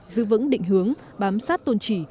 giữ vững định hướng bám sát tôn trị